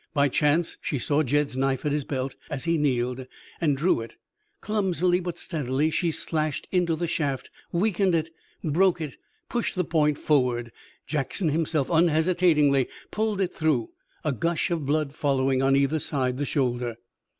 By chance she saw Jed's knife at his belt as he kneeled, and drew it. Clumsily but steadily she slashed into the shaft, weakened it, broke it, pushed the point forward. Jackson himself unhesitatingly pulled it through, a gush of blood following on either side the shoulder.